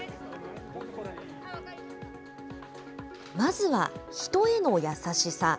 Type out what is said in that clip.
まずは人への優しさ。